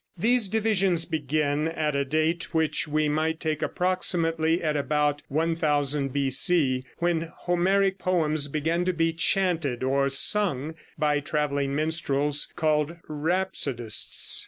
These divisions begin at a date which we might take approximately at about 1000 B.C., when the Homeric poems began to be chanted or sung by traveling minstrels called Rhapsodists.